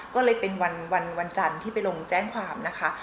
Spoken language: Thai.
ก็เลยเป็นวันจันทร์ที่ไปลงแจ้งความนะคะ